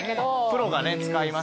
プロが使いますからね。